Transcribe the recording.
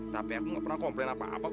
tapi aku nggak pernah komplain apa apa